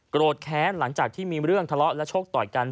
แค้นหลังจากที่มีเรื่องทะเลาะและโชคต่อยกัน